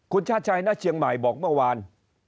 คุณชาติชัยณเชียงใหม่บอกเมื่อวาน